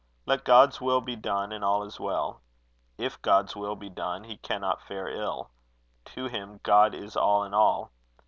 Let God's will be done, and all is well. If God's will be done, he cannot fare ill. To him, God is all in all.